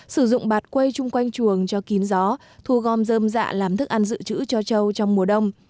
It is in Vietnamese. sử dụng bạt quây chung quanh chuồng cho kín gió thu gom dơm dạ làm thức ăn dự trữ cho trâu trong mùa đông